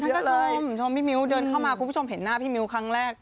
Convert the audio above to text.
คุณผู้ชมชมพี่มิ้วเดินเข้ามาคุณผู้ชมเห็นหน้าพี่มิ้วครั้งแรก